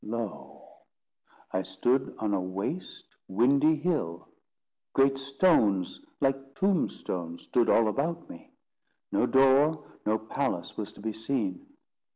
Lo! I stood on a waste windy hill. Great stones like tombstones stood all about me. No door, no palace was to be seen.